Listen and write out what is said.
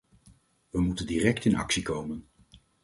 We moeten direct in actie komen.